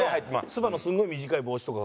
つばのすごい短い帽子とか。